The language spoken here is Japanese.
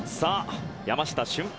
山下舜平